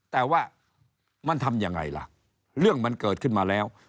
แต่ว่ามันทำยังไงล่ะเรื่องมันเกิดขึ้นมาแล้ว